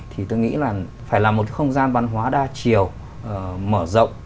thì tôi nghĩ là phải là một không gian văn hóa đa chiều mở rộng